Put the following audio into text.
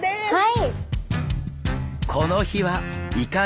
はい！